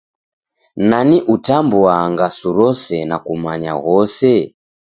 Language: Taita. Nani utambua ngasu rose na kumanya ghose?